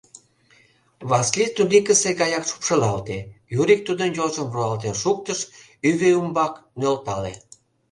Васлий турникысе гаяк шупшылалте, Юрик тудын йолжым руалтен шуктыш, ӱвӧ ӱмбак нӧлтале.